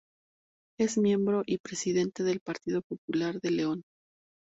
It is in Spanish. Es miembro y presidente del Partido Popular de León.